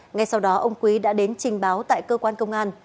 ngay sau đó ông quý đã đến trình báo tại cơ quan công an